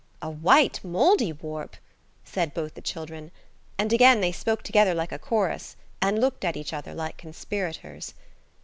"A white Mouldiwarp?" said both the children, and again they spoke together like a chorus and looked at each other like conspirators.